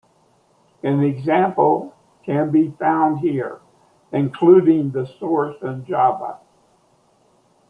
An example can be found here, including the source in Java.